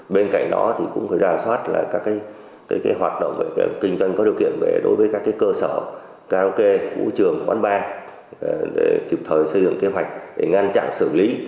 bên cạnh đó cũng có các đối tượng có hành vi vận chuyển mua bán chép phép ma túy